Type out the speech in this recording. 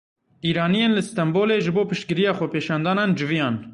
Îraniyên li Stenbolê ji bo piştgiriya xwepêşandanan civiyan.